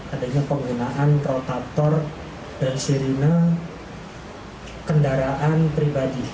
adanya penggunaan rotator dan sirine kendaraan pribadi